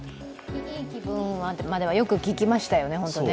「いい気分」までは、よく聞きましたよね。